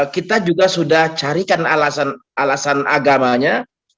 kita juga sudah carikan alasan agamanya